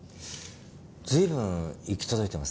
随分行き届いてますね。